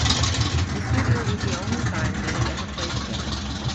The studio was the only time they had ever played together.